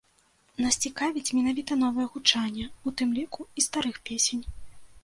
Нас цікавіць менавіта новае гучанне, у тым ліку, і старых песень.